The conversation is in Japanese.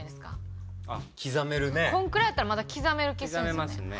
このくらいやったらまだ刻める気するんですよね。